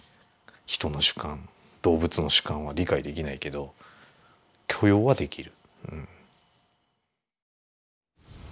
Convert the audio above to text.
人の主観動物の主観は理解できないけど許容はできる。